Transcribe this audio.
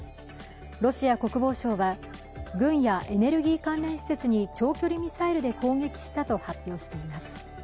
ロシア国防省は軍やエネルギー関連施設に長距離ミサイルで攻撃したと発表しています。